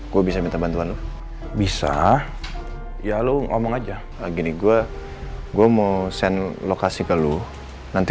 gua bisa minta bantuan lu bisa ya lu ngomong aja lagi nih gua gua mau send lokasi kalau nanti